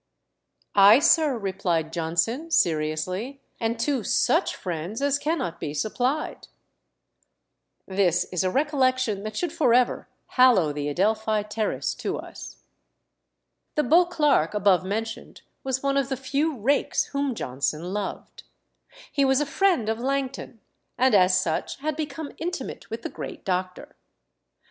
"Ay, sir," replied Johnson, seriously, "and two such friends as cannot be supplied." This is a recollection that should for ever hallow the Adelphi Terrace to us. The Beauclerk above mentioned was one of the few rakes whom Johnson loved. He was a friend of Langton, and as such had become intimate with the great doctor.